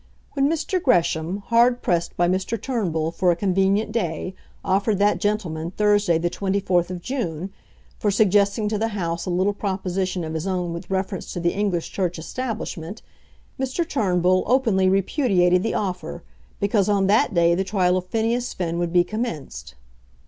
When Mr. Gresham, hard pressed by Mr. Turnbull for a convenient day, offered that gentleman Thursday, the 24th of June, for suggesting to the House a little proposition of his own with reference to the English Church establishment, Mr. Turnbull openly repudiated the offer, because on that day the trial of Phineas Finn would be commenced.